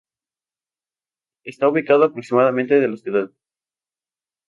Está ubicado a aproximadamente de la ciudad.